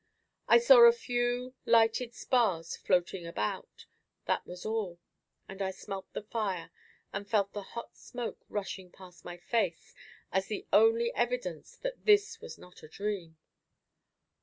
I saw a few lighted spars floating about, that was all, and I smelt the fire and felt the hot smoke rushing past my face as the only evidence that this was not a dream.